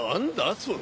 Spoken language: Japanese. それ。